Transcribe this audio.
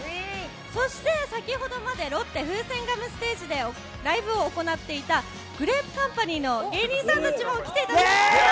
そして、先ほどまでロッテふせんガムステージでライブを行っていたグレープカンパニーの芸人さんたちも来ていただきました。